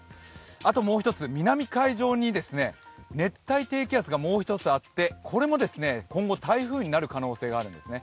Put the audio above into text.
あともう１つ、南海上に熱帯低気圧がもう１つあってこれも今後、台風になる可能性があるんですね。